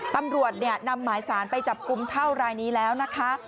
ตำรวจนำหมายสารไปจับกลุ่มเท่ารายนี้แล้วนะคะ